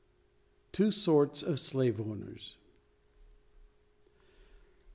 TWO SORTS OF SLAVE OWNERS.